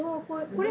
これ？